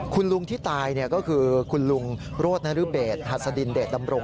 คุณลุงที่ตายก็คือคุณลุงโรธนรเบศหัสดินเดชดำรง